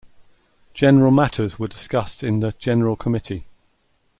General matters were discussed in the "General Committee".